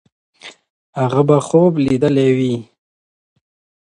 هغه به خوب لیدلی وي.